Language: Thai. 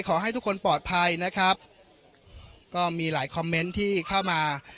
ขอให้ทุกคนปลอดภัยนะครับก็มีหลายคอมเมนต์ที่เข้ามา